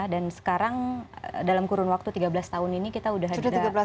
dan sekarang dalam kurun waktu tiga belas tahun ini kita sudah ada